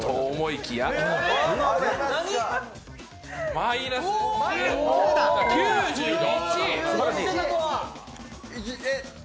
マイナス１０、９１。